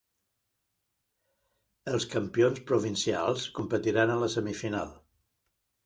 Els campions provincials competiran a la semifinal.